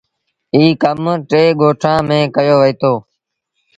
ايٚ ڪم ٽي ڳوٺآݩ ميݩ ڪيو وهيٚتو۔